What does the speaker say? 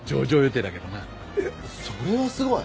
えっそれはすごい！